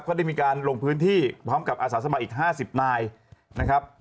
ก็ได้มีการลงพื้นที่พร้อมกับอาสาสะมะอีกห้าสิบนายนะครับ